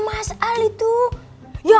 mas kukala mah